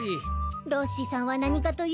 ロッシさんは何かというと。